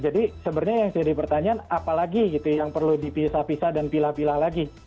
sebenarnya yang jadi pertanyaan apalagi gitu yang perlu dipisah pisah dan pilah pilah lagi